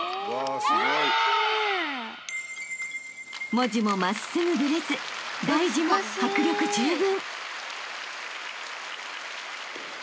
［文字も真っすぐブレず題字も迫力十分］